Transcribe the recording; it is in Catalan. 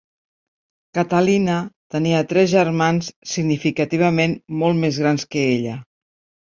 Catalina tenia tres germans significativament molt més grans que ella.